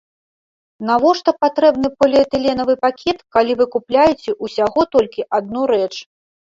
Навошта патрэбны поліэтыленавы пакет, калі вы купляеце ўсяго толькі адну рэч?